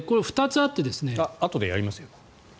あとでやりますよ。